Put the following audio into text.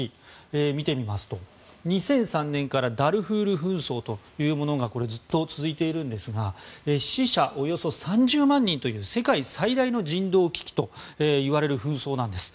見てみますと２００３年からダルフール紛争というものがずっと続いているんですが死者およそ３０万人という世界最大の人道危機といわれる紛争なんです。